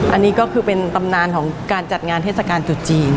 อันนี้ก็คือเป็นตำนานของการจัดงานเทศกาลจุดจีน